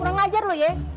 kurang ajar lo yeh